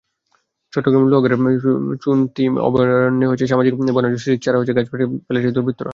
চট্টগ্রামের লোহাগাড়ার চুনতি অভয়ারণ্যে সামাজিক বনায়নের জন্য সৃজিত চারা গাছ কেটে ফেলেছে দুর্বৃত্তরা।